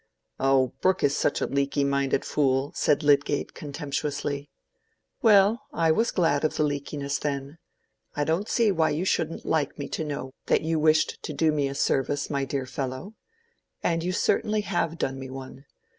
"Oh, Brooke is such a leaky minded fool," said Lydgate, contemptuously. "Well, I was glad of the leakiness then. I don't see why you shouldn't like me to know that you wished to do me a service, my dear fellow. And you certainly have done me one.